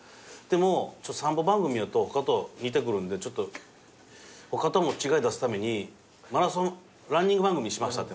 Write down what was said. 「でも散歩番組やと他と似てくるんでちょっと他との違い出すためにマラソンランニング番組にしました」